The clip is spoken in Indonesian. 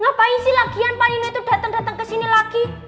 ngapain sih lagian pak nino itu dateng dateng kesini lagi